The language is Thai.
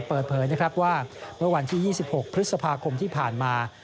เปิดเผยนะครับว่าเมื่อวันที่๒๖พฤษภาคมที่ผ่านมา